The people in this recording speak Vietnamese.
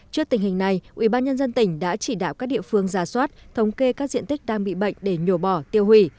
trước tình hình này ubnd tỉnh đã chỉ đạo các địa phương ra soát thống kê các diện tích đang bị bệnh để nhổ bỏ tiêu hủy